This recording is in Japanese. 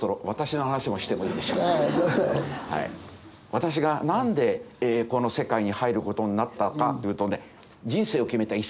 私が何でこの世界に入ることになったかというとね